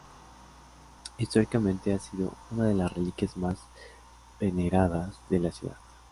Históricamente ha sido una de las reliquias más veneradas de la ciudad.